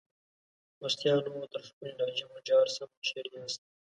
خوستیانو ! تر ښکلي لهجې مو جار سم ، چیري یاست؟